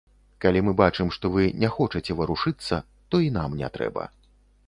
Калі мы бачым, што вы не хочаце варушыцца, то і нам не трэба.